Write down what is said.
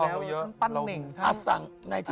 มันปั้นเหน่งทั้ง